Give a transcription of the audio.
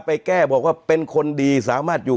ไปแก้บอกว่าเป็นคนดีสามารถอยู่